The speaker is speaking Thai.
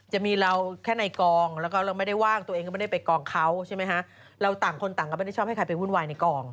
จะมีเราแค่ในกองแล้วก็เราไม่ได้ว่างตัวเองก็ไม่ได้ไปกองเขาใช่ไหมฮะเราต่างคนต่างก็ไม่ได้ชอบให้ใครไปวุ่นวายในกอง